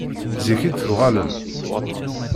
Zik i d-tuɣalem.